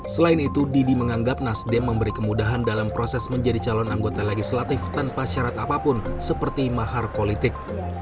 selain itu didi menganggap nasdem memberi kemudahan dalam proses menjadi calon anggota legislatif tanpa syarat apapun seperti mahar politik